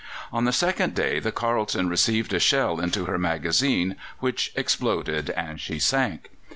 On the second day the Carleton received a shell into her magazine, which exploded, and she sank.